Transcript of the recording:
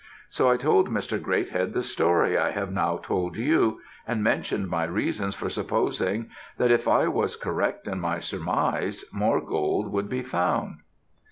So I told Mr. Greathead the story I have now told you, and mentioned my reasons for supposing that if I was correct in my surmise, more gold would be found.